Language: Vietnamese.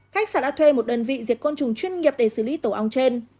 khách sạn đã thuê một đơn vị diệt côn trùng chuyên nghiệp để xử lý tổ ong trên